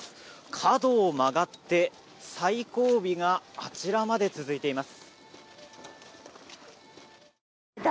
角を曲がって、最後尾があちらまで続いています。